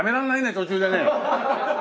途中でね。